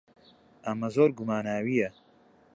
ئەمە زۆر گوماناوییە.